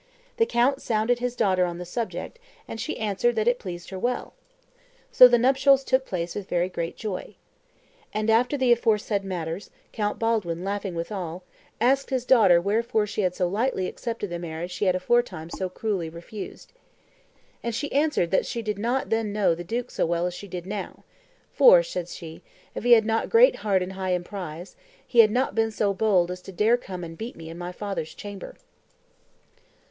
The count sounded his daughter on the subject, and she answered that it pleased her well. So the nuptials took place with very great joy. And after the aforesaid matters, Count Baldwin, laughing withal, asked his daughter wherefore she had so lightly accepted the marriage she had aforetime so cruelly refused. And she answered that she did not then know the duke so well as she did now; for, said she, if he had not great heart and high emprise, he had not been so bold as to dare come and beat me in my father's chamber."